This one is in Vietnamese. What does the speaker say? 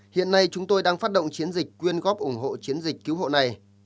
hiện nay chúng tôi đang phát động chiến dịch quyên góp ủng hộ chiến dịch cứu hộ này